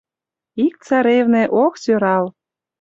Ик царевне, ох, сӧрал: